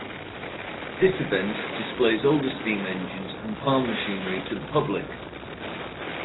This event displays older steam engines and farm machinery to the public.